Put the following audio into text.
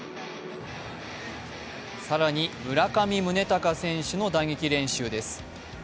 更に村上宗隆選手の打撃練習です。